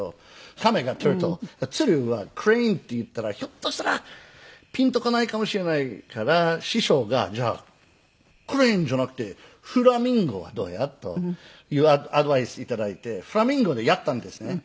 亀がタートル鶴はクレインって言ったらひょっとしたらピンとこないかもしれないから師匠が「じゃあクレインじゃなくてフラミンゴはどうや？」というアドバイス頂いてフラミンゴでやったんですね。